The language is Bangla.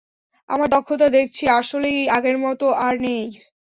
আমার দক্ষতা দেখছি আসলেই আগের মতো আর নেই।